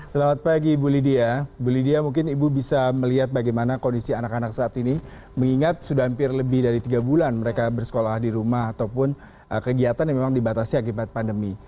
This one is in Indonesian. selamat pagi ibu lydia bu lydia mungkin ibu bisa melihat bagaimana kondisi anak anak saat ini mengingat sudah hampir lebih dari tiga bulan mereka bersekolah di rumah ataupun kegiatan yang memang dibatasi akibat pandemi